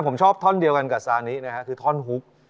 คำผมชอบท่อนเดียวกันกับซานินะครับคือท่อนหุบ